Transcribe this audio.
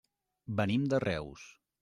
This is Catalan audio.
Venim de Reus.